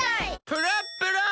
プルップルン！